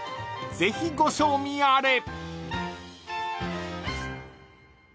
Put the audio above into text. ［ぜひご賞味あれ！］